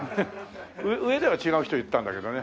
上では違う人言ったんだけどね。